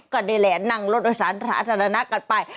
ก็ดีแหละนั่งรถโดยสารศาสตร์ธรรณะกันไป